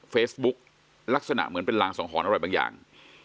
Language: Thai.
เฟซบุ๊กลักษณะเหมือนเป็นรางสังหรณ์อะไรบางอย่าง